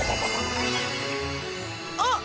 あっ！